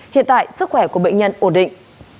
hiện tại sức khỏe của bệnh nhân ổn định